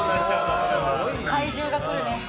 怪獣が来るね。